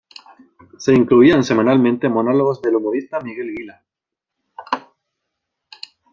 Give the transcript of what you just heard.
Se incluían semanalmente monólogos del humorista Miguel Gila.